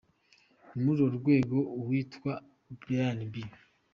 Ni muri urwo rwego uwitwa Brian B.